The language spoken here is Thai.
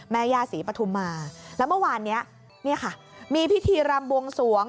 แม่ย่าศรีปฐุมาแล้วเมื่อวานนี้เนี่ยค่ะมีพิธีรำบวงสวง